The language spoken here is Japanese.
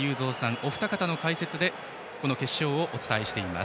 お二方の解説で決勝をお伝えしています。